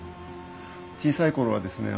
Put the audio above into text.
小さい頃はですね